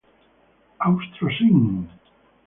Austro Sin.